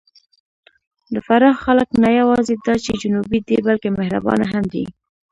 د فراه خلک نه یواځې دا چې جنوبي دي، بلکې مهربانه هم دي.